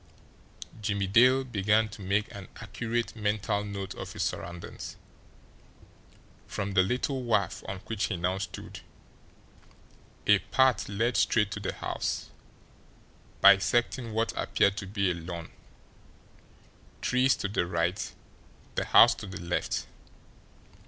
Jimmie Dale began to make an accurate mental note of his surroundings. From the little wharf on which he now stood, a path led straight to the house, bisecting what appeared to be a lawn, trees to the right, the house to the left.